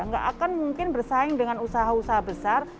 nggak akan mungkin bersaing dengan usaha usaha besar